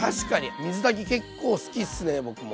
水炊き結構好きですね僕も。